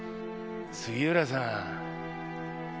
杉浦さん。